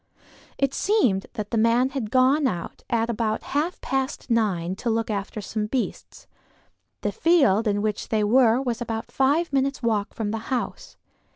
It seemed that the man had gone out at about half past nine to look after some beasts. The field in which they were was about five minutes' walk from the house.